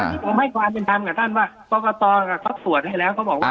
อันนี้ผมให้ความเป็นธรรมกับท่านว่ากรกตเขาสวดให้แล้วเขาบอกว่า